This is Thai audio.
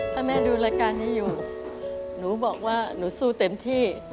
ถ้าแม่ดูรายการนี้อยู่หนูบอกว่าหนูสู้เต็มที่